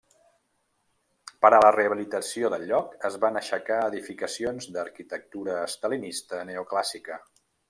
Per a la rehabilitació del lloc, es van aixecar edificacions d'arquitectura estalinista neoclàssica.